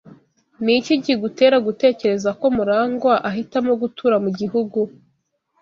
Ni iki kigutera gutekereza ko MuragwA ahitamo gutura mu gihugu?